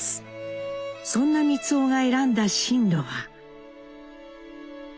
そんな光男が選んだ進路は？